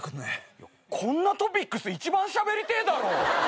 こんなトピックス一番しゃべりてえだろ！